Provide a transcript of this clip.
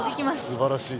すばらしい。